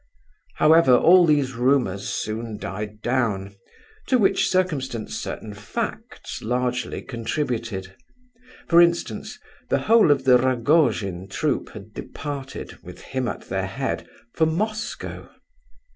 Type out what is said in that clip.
However, all these rumours soon died down, to which circumstance certain facts largely contributed. For instance, the whole of the Rogojin troop had departed, with him at their head, for Moscow.